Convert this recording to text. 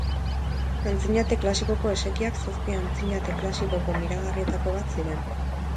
Antzinate klasikoko esekiak zazpi antzinate klasikoko miragarrietako bat ziren.